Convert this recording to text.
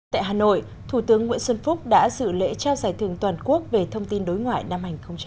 tại hà nội thủ tướng nguyễn xuân phúc đã dự lễ trao giải thưởng toàn quốc về thông tin đối ngoại năm hai nghìn hai mươi